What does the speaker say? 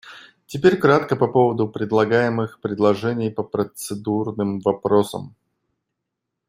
Теперь кратко по поводу предлагаемых предложений по процедурным вопросам.